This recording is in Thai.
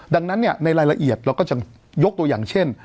ดังนั้นในรายละเอียดเราก็จะยกตัวอย่างเช่น